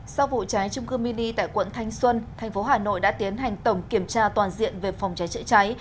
sau vụ cháy trung cư mini tại quận thanh xuân thành phố hà nội đã tiến hành tổng kiểm tra toàn diện về phòng cháy chữa cháy